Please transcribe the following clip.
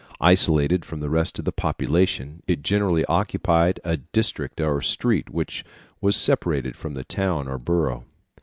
Isolated from the rest of the population, it generally occupied a district or street which was separated from the town or borough.